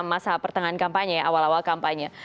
masa pertengahan kampanye awal awal kampanye